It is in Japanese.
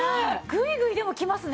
グイグイでもきますね。